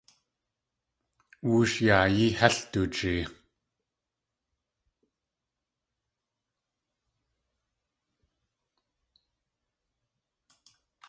Woosh yaayí hél du jee.